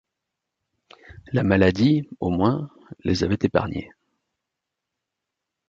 La maladie, au moins, les avait épargnés.